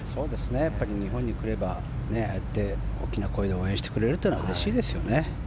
やっぱり日本に来ればああやって大きな声で応援してくれるというのはうれしいですよね。